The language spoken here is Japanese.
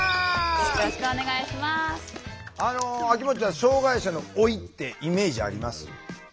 あの秋元ちゃん障害者の老いってイメージあります？